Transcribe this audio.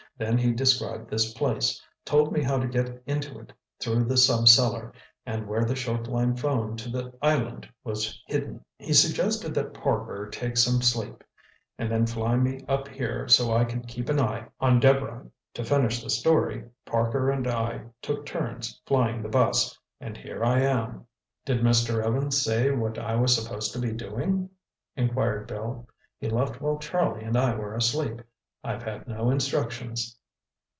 Then he described this place, told me how to get into it through the sub cellar, and where the short line phone to the island was hidden. He suggested that Parker take some sleep, and then fly me up here so I could keep an eye on Deborah. To finish the story, Parker and I took turns flying the bus, and here I am." "Did Mr. Evans say what I was supposed to be doing?" inquired Bill. "He left while Charlie and I were asleep. I've had no instructions."